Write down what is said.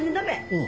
うん。